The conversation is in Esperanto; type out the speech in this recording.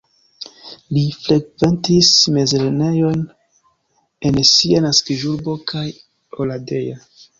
Li frekventis mezlernejojn en sia naskiĝurbo kaj Oradea.